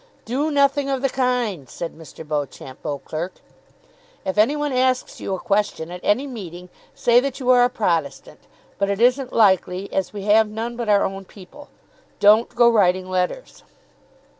"Do nothing of the kind," said Mr. Beauchamp Beauclerk. "If any one asks you a question at any meeting, say that you are a Protestant. But it isn't likely, as we have none but our own people. Don't go writing letters."